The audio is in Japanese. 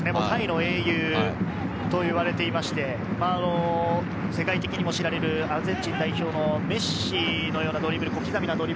タイの英雄といわれてまして、世界的にも知られるアルゼンチン代表のメッシのようなドリブル。